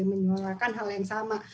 menyerangkan hal yang sama